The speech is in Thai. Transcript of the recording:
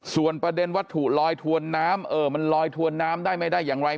ส่วนประเด็นวัตถุลอยถวนน้ำเออมันลอยถวนน้ำได้ไม่ได้อย่างไร